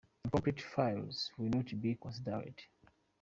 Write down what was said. Incomplete files will not be considered.